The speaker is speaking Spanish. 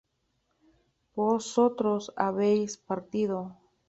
¿vosotros habéis partido?